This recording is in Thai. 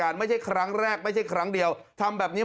อาวาสมีการฝังมุกอาวาสมีการฝังมุกอาวาสมีการฝังมุก